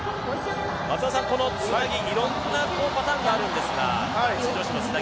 このつなぎ、いろんなパターンがあるんですが。